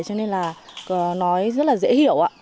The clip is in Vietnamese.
cho nên là nói rất là dễ hiểu ạ